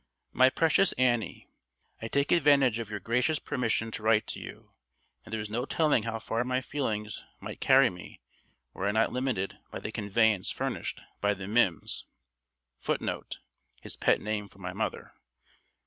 "My precious Annie: I take advantage of your gracious permission to write to you, and there is no telling how far my feelings might carry me were I not limited by the conveyance furnished by the Mim's [Footnote: His pet name for my mother.